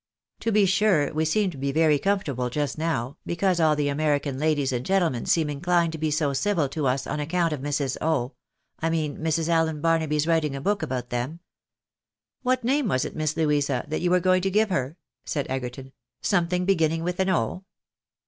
To be sure, we seem to be very comfortable just now, because all the American ladies and gentle men seem inclined to be so civil to us on account of Mrs. O — I mean Mrs. Allen Barnaby's writing a book about them." '■ What name was it. Miss Louisa, that you were going to give her? " said Egerton ;" something beginning with an O."